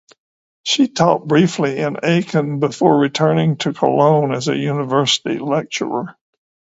She taught briefly in Aachen before returning to Cologne as a university lecturer.